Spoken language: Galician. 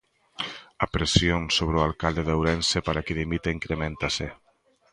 A presión sobre o alcalde de Ourense para que dimita increméntase.